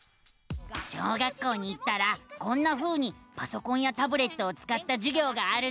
小学校に行ったらこんなふうにパソコンやタブレットをつかったじゅぎょうがあるのさ！